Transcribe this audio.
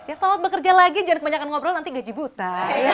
siap selamat bekerja lagi jangan kebanyakan ngobrol nanti gaji buta